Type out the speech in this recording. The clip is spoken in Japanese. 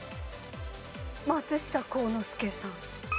松下幸之助さん。